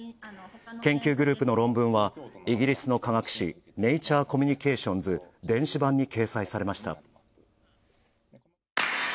研究グループの論文はイギリスの科学誌「ネイチャー・コミュニケーションズ」電子版に掲載されました。